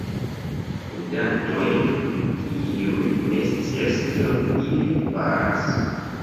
Ludantojn, kiuj ne scias kion ili faras...